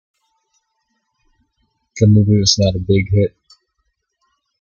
The movie was not a big hit.